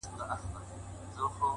ریښتینی عزت په زور نه ترلاسه کېږي